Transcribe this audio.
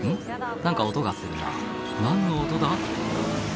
何か音がするな何の音だ？